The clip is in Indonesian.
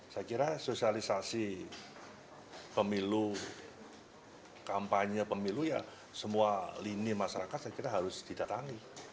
saya kira sosialisasi pemilu kampanye pemilu ya semua lini masyarakat saya kira harus didatangi